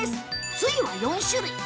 つゆは４種類。